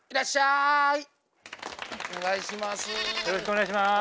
お願いします。